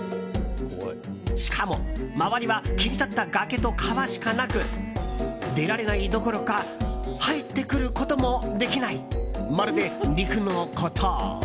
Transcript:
しかも、周りは切り立った崖と川しかなく出られないどころか入ってくることもできないまるで陸の孤島。